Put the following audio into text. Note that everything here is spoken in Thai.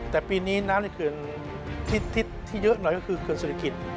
แต่ปีนี้น้ำในเขือนทิศที่เยอะหน่อยก็คือเขือนสุริคิต